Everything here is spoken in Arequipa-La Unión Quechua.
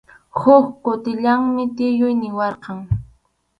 Huk kutillanmi tiyuy niwarqan.